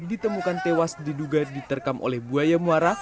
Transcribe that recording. ditemukan tewas diduga diterkam oleh buaya muara